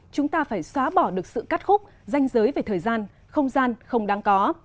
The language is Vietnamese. chúng ta phải xóa bỏ được sự cắt khúc danh giới về thời gian không gian không đáng có